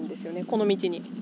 この道に。